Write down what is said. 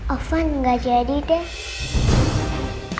ovan nggak jadi deh